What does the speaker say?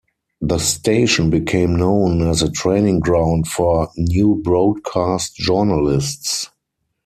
The station became known as a training ground for new broadcast journalists.